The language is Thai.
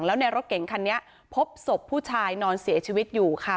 แล้วในรถเก่งคันนี้พบศพผู้ชายนอนเสียชีวิตอยู่ค่ะ